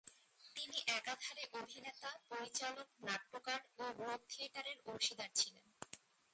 তিনি একাধারে অভিনেতা, পরিচালক, নাট্যকার, ও গ্লোব থিয়েটারের অংশীদার ছিলেন।